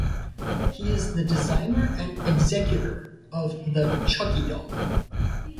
He is the designer and executor of the Chucky doll.